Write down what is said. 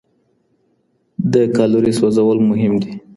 د کالوري سوځول مهم دي.